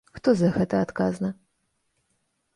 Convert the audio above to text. Хто за гэта адказны?